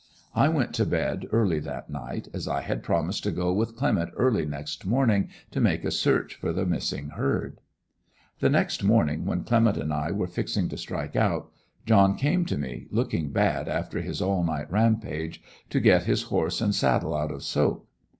I went to bed early that night, as I had promised to go with Clement early next morning to make a search for the missing herd. The next morning when Clement and I were fixing to strike out, John came to me, looking bad after his all night rampage, to get his horse and saddle out of "soak."